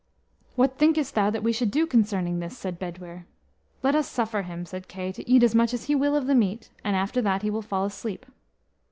"What thinkest thou that we should do concerning this?" said Bedwyr. "Let us suffer him." said Kay, "to eat as much as he will of the meat, and after that he will fall asleep."